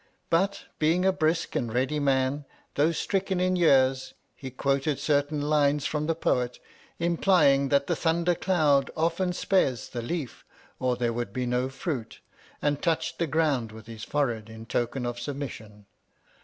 But, being a brisk and ready man, though stricken in years, he quoted certain lines from the Poet, implying that the thunder cloud often spares the leaf or there would be no fruit, and touched the ground with his forehead in token of sub mission.